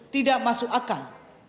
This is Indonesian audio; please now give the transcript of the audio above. tidak masuk akal